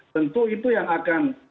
tentu itu yang akan